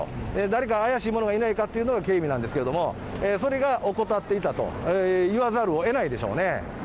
誰か怪しい者がいないかというのが警備なんですけれども、それが怠っていたと言わざるをえないでしょうね。